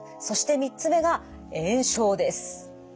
そして３つ目が炎症です。